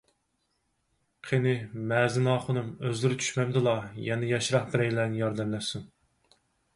قېنى، مەزىن ئاخۇنۇم، ئۆزلىرى چۈشمەمدىلا، يەنە ياشراق بىرەيلەن ياردەملەشسۇن.